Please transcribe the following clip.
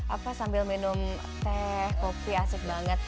apa sambil minum teh kopi asik banget